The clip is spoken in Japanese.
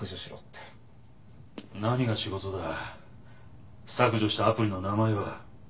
「何が仕事だ」「削除したアプリの名前は？」